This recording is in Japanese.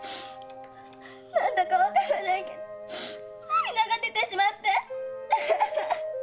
何だかわからないけど涙が出てしまって。